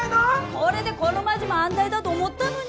これでこの町も安泰だど思ったのに。